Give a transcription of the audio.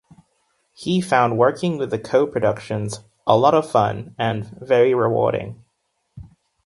He found working with the co-productions "a lot of fun" and "very rewarding".